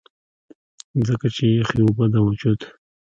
ځکه چې يخې اوبۀ د وجود